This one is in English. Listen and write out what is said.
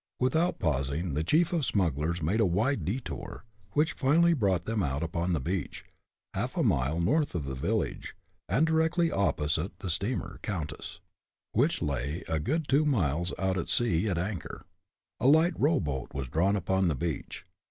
Without pausing, the chief of smugglers made a wide detour, which finally brought them out upon the beach, half a mile north of the village, and directly opposite the steamer "Countess," which lay a good two miles out at sea, at anchor. A light row boat was drawn upon the beach.